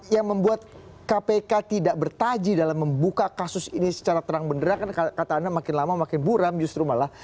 yang membuat kpk tidak bertaji dalam membuka kasus ini secara terang bendera kan kata anda makin lama makin buram justru malah